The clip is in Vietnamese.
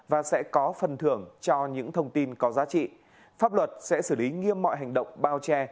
và sẽ có phần thưởng cho những thông tin có giá trị pháp luật sẽ xử lý nghiêm mọi hành động bao che